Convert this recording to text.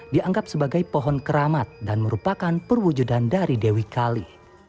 dianggap sebagai pohon keramat dan merupakan perwujudan dari dewi kali